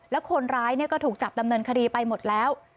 แล้วคนร้ายก็ถูกจับดำเนินคดีไปหมดแล้ว